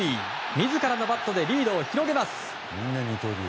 自らのバットでリードを広げます。